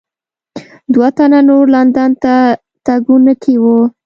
دوه تنه نور لندن ته تګونکي وو.